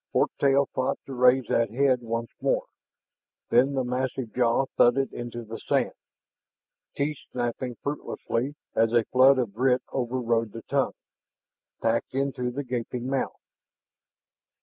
Fork tail fought to raise that head once more; then the massive jaw thudded into the sand, teeth snapping fruitlessly as a flood of grit overrode the tongue, packed into the gaping mouth.